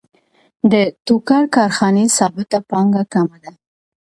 د ټوکر کارخانې ثابته پانګه کمه ده